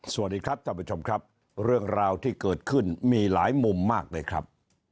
สวัสดีครับท่านผู้ชมครับเรื่องราวที่เกิดขึ้นมีหลายมุมมากเลยครับ